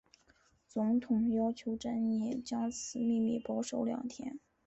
总统要求珍妮将此秘密保守两天。